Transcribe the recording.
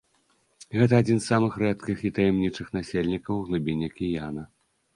Гэта адзін з самых рэдкіх і таямнічых насельнікаў глыбінь акіяна.